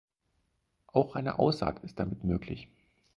Auch eine Aussaat ist damit möglich.